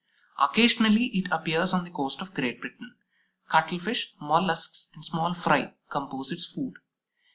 Occasionally it appears on the coast of Great Britain. Cuttlefish, Mollusks, and small fry compose its food.